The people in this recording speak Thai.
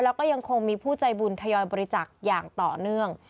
แล้วก็ยังคงมีผู้ใจบุญทยอยบริจักษ์อย่างต่อเนื่อง